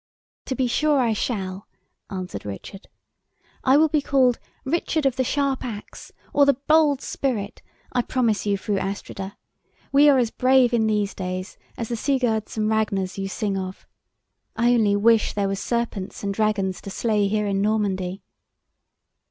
"To be sure I shall," answered Richard. "I will be called Richard of the Sharp Axe, or the Bold Spirit, I promise you, Fru Astrida. We are as brave in these days as the Sigurds and Ragnars you sing of! I only wish there were serpents and dragons to slay here in Normandy."